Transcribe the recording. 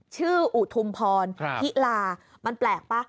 อุทุมพรพิลามันแปลกป่ะ